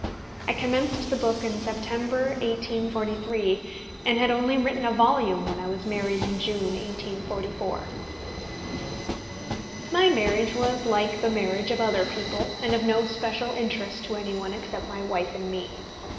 I commenced the book in September, 1843, and had only written a volume when I was married in June, 1844. My marriage was like the marriage of other people, and of no special interest to any one except my wife and me.